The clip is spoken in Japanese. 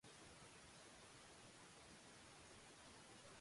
私はポピュラー音楽を聞きたい。